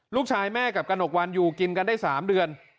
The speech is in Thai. ลูกชายแม่กับกระหนกวันอยู่กินกันได้๓เดือน